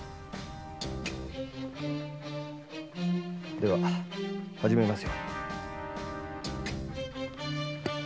では始めますよ。